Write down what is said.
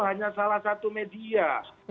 hanya salah satu media